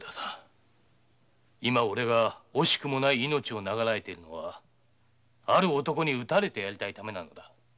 今俺が惜しくもない命を長らえているのはある男に討たれてやりたいためなのだ。